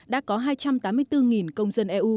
đã có hai trăm tám mươi bốn công dân eu